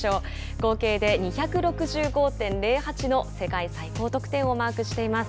合計で２６５．０８の世界最高得点をマークしています。